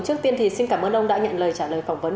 trước tiên thì xin cảm ơn ông đã nhận lời trả lời phỏng vấn